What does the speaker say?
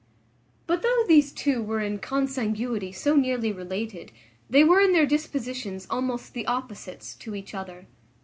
But though these two were in consanguinity so nearly related, they were in their dispositions almost the opposites to each other.